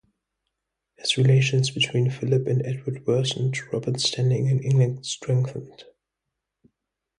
As relations between Philip and Edward worsened, Robert's standing in England strengthened.